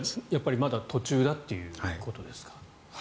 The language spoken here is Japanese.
まだ途中だということですか。